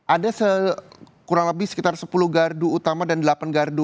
ada kurang lebih sekitar sepuluh gardu utama dan delapan gardu